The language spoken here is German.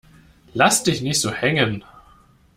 Lass dich nicht so hängen!